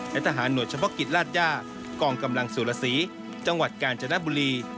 และทหารหน่วยเฉพาะกิจราชย่ากองกำลังสุรสีจังหวัดกาญจนบุรี